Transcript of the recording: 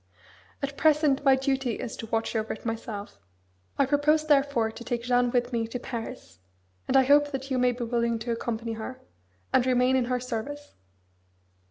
At present my duty is to watch over it myself. I propose therefore to take Jeanne with me to Paris; and I hope that you may be willing to accompany her, and remain in her service."